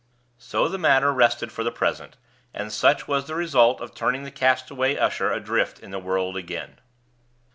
So the matter rested for the present; and such was the result of turning the castaway usher adrift in the world again.